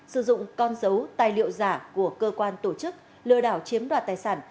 sử dụng con dấu tài liệu giả của cơ quan tổ chức lừa đảo chiếm đoạt tài sản